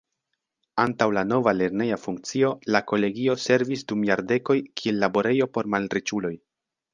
Antaŭ la nova lerneja funkcio la Kolegio servis dum jardekoj kiel laborejo por malriĉuloj.